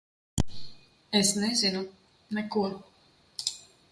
Es nezinu. Neko.